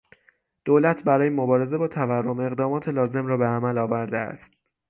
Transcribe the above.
دولت برای مبارزه با تورم اقدامات لازم را به عمل آورده است.